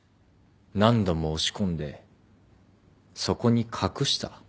何度も押し込んでそこに隠した。